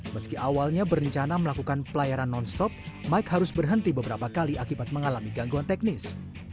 meski awalnya berencana melakukan pelayaran non stop mike harus berhenti beberapa kali akibat mengalami gangguan teknis